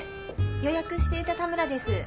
予約していた田村です。